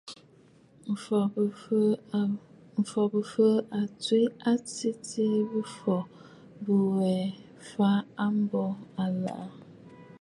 M̀fɔ̀ Bɨ̀fɨɨ̀ à tswe a tɨtɨ̀ɨ bɨ̀fɔ̀ bîwè fàa mbùʼù àlaʼà.